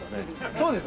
そうですね。